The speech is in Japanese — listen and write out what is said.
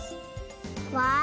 わあ！